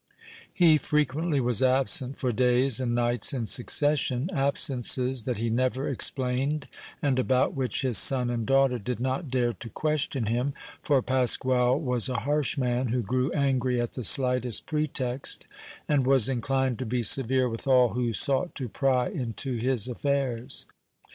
He frequently was absent for days and nights in succession, absences that he never explained and about which his son and daughter did not dare to question him, for Pasquale was a harsh man, who grew angry at the slightest pretext and was inclined to be severe with all who sought to pry into his affairs.